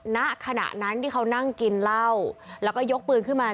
ณขณะนั้นที่เขานั่งกินเหล้าแล้วก็ยกปืนขึ้นมา